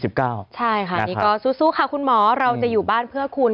ใช่ค่ะนี่ก็สู้ค่ะคุณหมอเราจะอยู่บ้านเพื่อคุณ